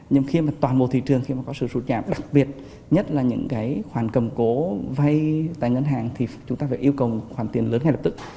nhưng khi mà toàn bộ thị trường khi mà có sự sụt giảm đặc biệt nhất là những cái khoản cầm cố vay tài ngân hàng thì chúng ta phải yêu cầu khoản tiền lớn ngay lập tức